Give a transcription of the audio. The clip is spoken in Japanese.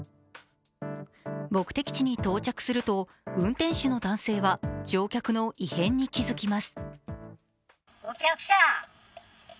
目的地に到着すると運転手の男性は乗客の異変に気付きます。